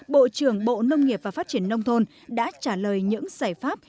bộ trưởng bộ nông nghiệp và phát triển nông thôn đã trả lời những giải pháp